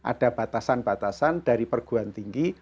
itu ada batasan batasan dari perguan tinggi